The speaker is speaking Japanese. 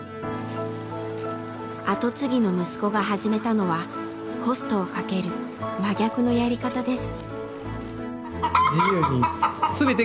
後継ぎの息子が始めたのはコストをかける真逆のやり方です。